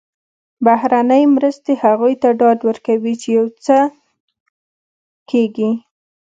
بهرنۍ مرستې هغوی ته ډاډ ورکوي چې یو څه کېږي.